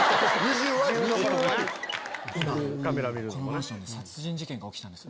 今このマンションで殺人事件が起きたんです。